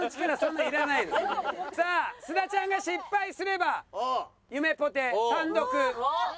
さあ須田ちゃんが失敗すればゆめぽて単独１位。